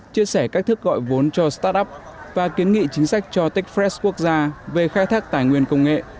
chia sẻ cách thức gọi vốn cho start up và kiến nghị chính sách cho techfred quốc gia về khai thác tài nguyên công nghệ